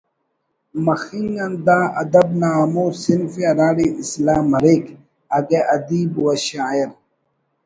مخنگ آن دا ادب نا ہمو صنف ءِ ہراڑے اصلاح مریک اگہ ادیب و شاعر